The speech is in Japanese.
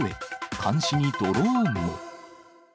監視にドローンも。